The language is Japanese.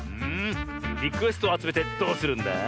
リクエストをあつめてどうするんだ？